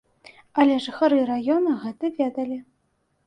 Але жыхары раёна гэта ведалі.